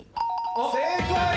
正解。